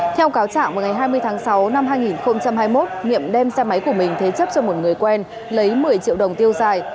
theo cáo trạng vào ngày hai mươi tháng sáu năm hai nghìn hai mươi một niệm đem xe máy của mình thế chấp cho một người quen lấy một mươi triệu đồng tiêu dài